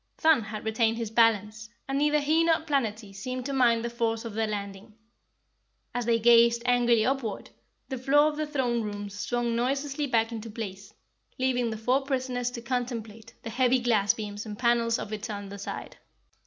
Thun had retained his balance, and neither he nor Planetty seemed to mind the force of their landing. As they gazed angrily upward, the floor of the throne room swung noiselessly back into place, leaving the four prisoners to contemplate the heavy glass beams and panels of its under side.